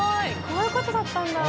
こういうことだったんだ。